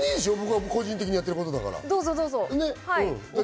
僕が個人的にやってることだから。